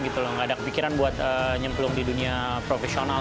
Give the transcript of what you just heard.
tidak ada kepikiran untuk menyempul di dunia profesional